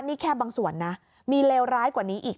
นี่แค่บางส่วนนะมีเลวร้ายกว่านี้อีก